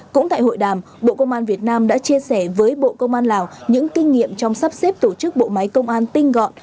cũng tại hội đàm bộ công an việt nam đã chia sẻ với bộ công an lào những kinh nghiệm trong sắp xếp tổ chức bộ máy công an tinh gọn